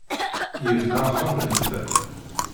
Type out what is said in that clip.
Yebna axxam n bda.